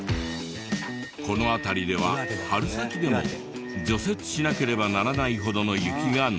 この辺りでは春先でも除雪しなければならないほどの雪が残る。